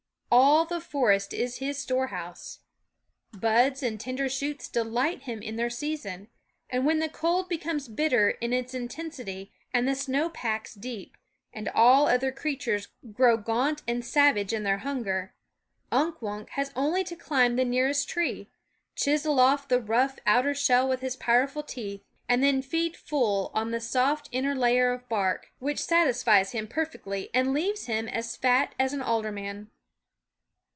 All the forest is his storehouse. Buds and tender shoots delight him in their season ; and when the cold becomes bitter in its intensity and the snow packs deep, and all other crea tures grow gaunt and savage in their hunger, Unk Wunk has only to climb the nearest tree, chisel off the rough, outer shell with his powerful teeth, and then feed full on the soft inner layer of bark, which satisfies him per fectly and leaves him as fat as an alderman.